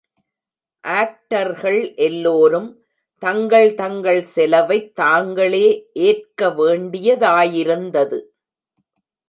ஆக்டர்கள் எல்லோரும் தங்கள் தங்கள் செலவைத் தாங்களே ஏற்க வேண்டியதாயிருந்தது.